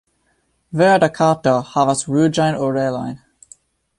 Verda Kato havas ruĝajn orelojn.